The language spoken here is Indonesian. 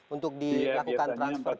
untuk dilakukan transfer ke